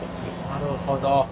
なるほど。